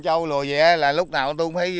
trâu lùa vẻ là lúc nào tôi cũng phải